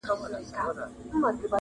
ځئ چي باطل پسي د عدل زولنې و باسو،